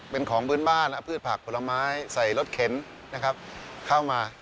เป็นของพื้นบ้านเอาพืชผักผลไม้ใส่รถเข็นนะครับเข้ามา